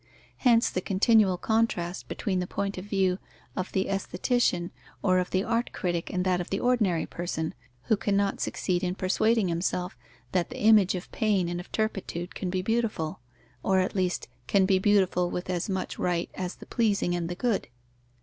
Hence the continual contrast between the point of view of the aesthetician or of the art critic and that of the ordinary person, who cannot succeed in persuading himself that the image of pain and of turpitude can be beautiful, or, at least, can be beautiful with as much right as the pleasing and the good.